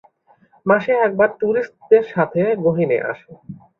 মাসে একবার ট্যুরিস্টদের সাথে গহীনে আসে।